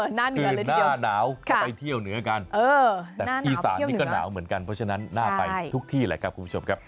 หน้าเหนือเลยทีเดียวค่ะแต่อีสานนี่ก็หนาวเหมือนกันเพราะฉะนั้นหน้าไปทุกที่เลยครับคุณผู้ชมครับ